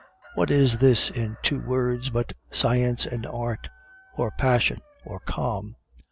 What is this in two words but Science and Art, or passion or calm?